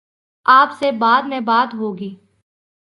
آپ سے بعد میں بات ہو گی۔